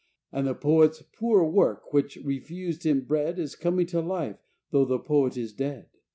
And the poet's "poor work" which refused him bread Is coming to life, tho' the poet is dead.